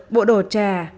bộ đồ trà